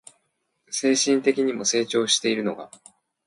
精神的にも成長しているのが